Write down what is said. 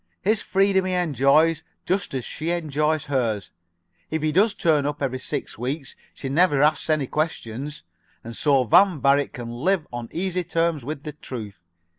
His freedom he enjoys, just as she enjoys hers. If he doesn't turn up for six weeks she never asks any questions, and so Van Varick can live on easy terms with the truth.